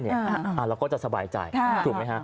เราก็จะสบายใจ